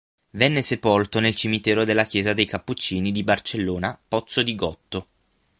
Venne sepolto nel cimitero della Chiesa dei Cappuccini di Barcellona Pozzo di Gotto.